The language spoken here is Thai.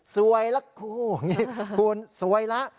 สวยละกูคุณสวยละ